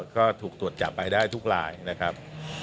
ก็ถูกตรวจจับไปได้ทุกลายนะครับ